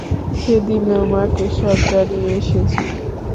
সে দিলেও, মাকে সব জানিয়ে এসেছি।